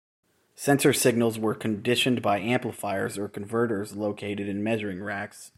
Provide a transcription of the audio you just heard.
Sensor signals were conditioned by amplifiers or converters located in measuring racks.